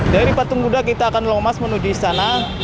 dari patung buda kita akan lomas menu di sana